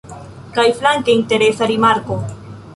Kaj flanke interesa rimarko